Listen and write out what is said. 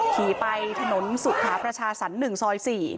ขี่ไปถนนสุขาประชาสรรค์๑ซอย๔